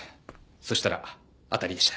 そしたら当たりでした。